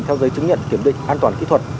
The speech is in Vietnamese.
theo giấy chứng nhận kiểm định an toàn kỹ thuật